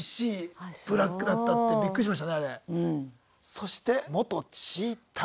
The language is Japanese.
そして「元チーター」。